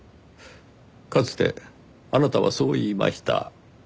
かつてあなたはそう言いました。